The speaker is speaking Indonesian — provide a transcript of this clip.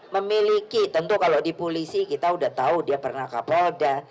memiliki tentu kalau di pulisi kita udah tau dia pernah kapolda